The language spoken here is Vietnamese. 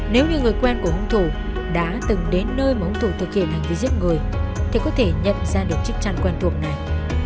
nếu như người quen của hung thủ đã từng đến nơi mà ông thủ thực hiện hành vi giết người thì có thể nhận ra được chiếc chăn quen thuộc này